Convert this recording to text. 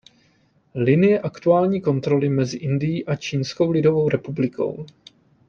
Linie aktuální kontroly mezi Indií a Čínskou lidovou republikou.